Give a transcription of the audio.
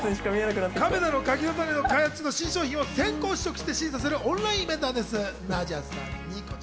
こちらは亀田の柿の種の開発中の新商品を先行試食して審査するオンラインイベントなんです。